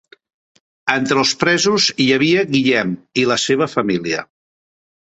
Entre els presos hi havia Guillem i la seva família.